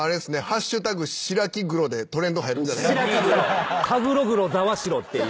ハッシュタグ白木黒でトレンド入るんじゃないですか？